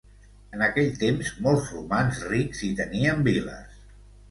En aquell temps molts romans rics i tenien viles.